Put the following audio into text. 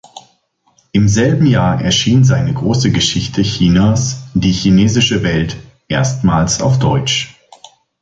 Im selben Jahr erschien seine große Geschichte Chinas "Die chinesische Welt" erstmals auf Deutsch.